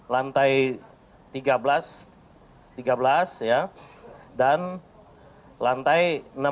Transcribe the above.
yang di lantai tiga belas dan lantai enam belas